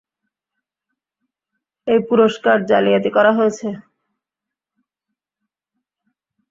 এই পুরষ্কার জালিয়াতি করা হয়েছে।